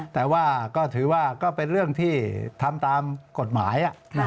แต่ว่าก็ถือว่าก็เป็นเรื่องที่ทำตามกฎหมาย